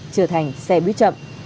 trở thành xe buýt chậm